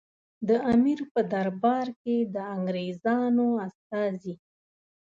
د امیر په دربار کې د انګریزانو استازي.